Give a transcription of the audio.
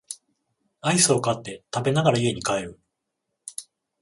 アイスを買って食べながら家に帰る